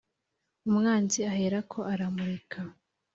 Umwanzi aherako aramureka